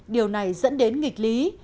điều này dẫn đến nghịch lý